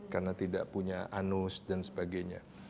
karena tidak punya anus dan sebagainya